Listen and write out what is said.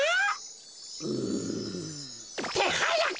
うん。ってはやく！